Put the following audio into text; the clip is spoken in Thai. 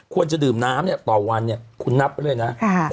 ควรจะดื่มน้ำต่อวันคุณนับไว้เลยนะ